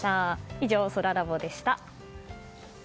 以上、そらラボでした。